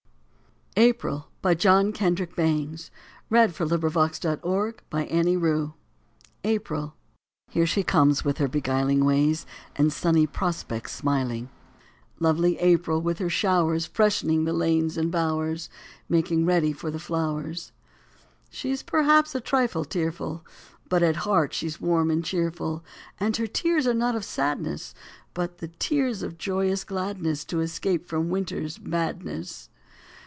ows all the joyous gain Of a new born day of cheer. March Thirty first APRIL TTERE she comes with her beguiling Ways and sunny prospects smiling, Lovely April with her showers Freshening the lanes and bowers, Making ready for the flowers. She s perhaps a trifle tearful, But at heart she s warm and cheerful, And her tears are not of sadness, But the tears of joyous gladness To escape from winter s madness.